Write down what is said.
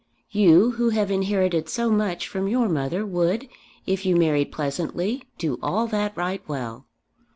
You who have inherited so much from your mother would, if you married pleasantly, do all that right well."